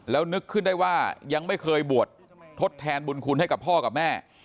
แล้วนึกขึ้นได้ว่ายังไม่เคยบวชทดแทนบุญคุณให้กับพ่อกับแม่